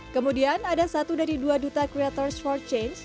kemudian ada satu dari dua duta creators for change